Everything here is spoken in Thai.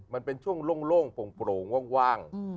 มันเป็นช่วงโล่งโปร่งว่าง